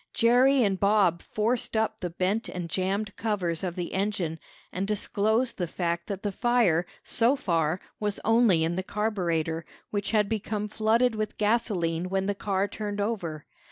Jerry and Bob forced up the bent and jammed covers of the engine, and disclosed the fact that the fire, so far, was only in the carburetor, which had become flooded with gasoline when the car turned over.